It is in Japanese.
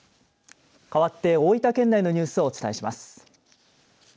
かわって大分県内のニュースをお伝えします。